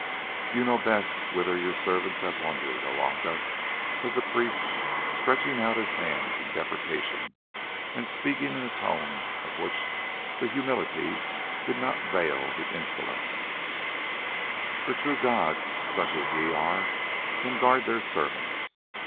"Ye know best whither your servants have wandered, O Aca," said the priest, stretching out his hands in deprecation, and speaking in a tone of which the humility did not veil the insolence, "for true gods such as ye are can guard their servants.